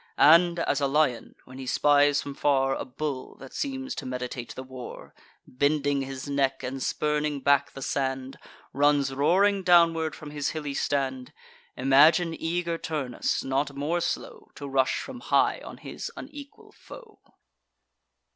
And, as a lion—when he spies from far A bull that seems to meditate the war, Bending his neck, and spurning back the sand— Runs roaring downward from his hilly stand: Imagine eager Turnus not more slow, To rush from high on his unequal foe.